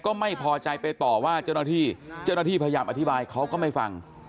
ก็ไม่พอใจไปต่อว่าเจ้าหน้าที่พยายามอธิบายเขาก็ไม่ฟัง